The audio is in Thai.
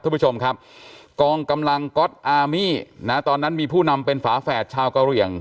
คุณผู้ชมครับกองกำลังก๊อตอาร์มี่นะตอนนั้นมีผู้นำเป็นฝาแฝดชาวกะเหลี่ยง